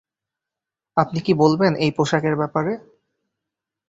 আপনি কি বলবেন এই পোশাকের ব্যাপারে?